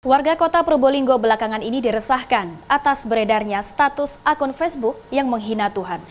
warga kota probolinggo belakangan ini diresahkan atas beredarnya status akun facebook yang menghina tuhan